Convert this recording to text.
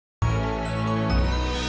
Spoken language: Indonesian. sampai jumpa di video selanjutnya